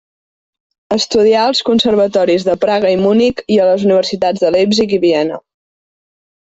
Estudià als Conservatoris de Praga i Munic i a les universitats de Leipzig i Viena.